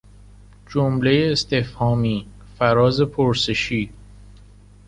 جملهی استفهامی، فراز پرسشی